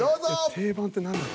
定番って何だろ。